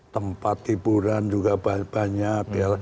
tempat hiburan juga banyak